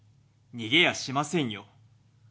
逃げやしませんよ。